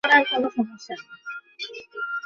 এর দুটি আয়নিত গ্রুপ আছে।